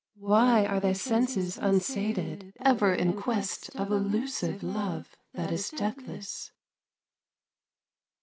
Why are thy senses unsated Ever in quest of elusive Love that is deathless?